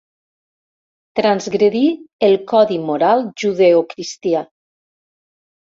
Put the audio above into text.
Transgredir el codi moral judeocristià.